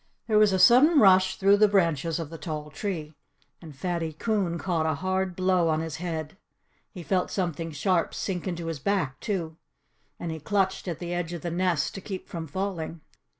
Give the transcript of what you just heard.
There was a sudden rush through the branches of the tall tree. And Fatty Coon caught a hard blow on his head. He felt something sharp sink into his back, too. And he clutched at the edge of the nest to keep from falling.